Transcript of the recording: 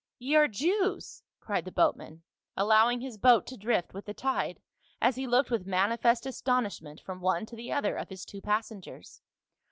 "Ye are Jews!" cried the boatmen, allowing his boat to drift with the tide as he looked with manifest astonishment from one to the other of his two pas sengers.